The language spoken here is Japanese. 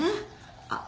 あっ。